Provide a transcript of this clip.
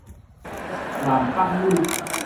閩北語